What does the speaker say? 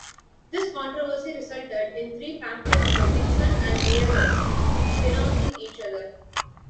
This controversy resulted in three pamphlets by Dixon and Meares denouncing each other.